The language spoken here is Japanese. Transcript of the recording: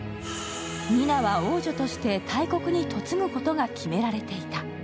ニナは王女として大国に嫁ぐことが決められていた。